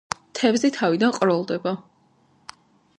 თევზი თავიდან ყროლდება.